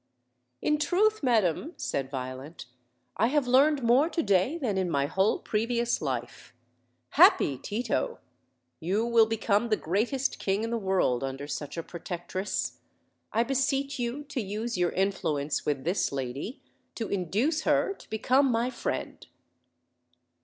"In truth, madam," said Violent, "I have learned more to day than in my whole previous life. Happy Tito! You will become the greatest king in the world under such a protectress. I beseech you to use your in fluence with this lady to induce her to become my friend."